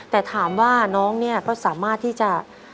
แต่ถามว่าน้องเนี่ยก็สามารถที่จะ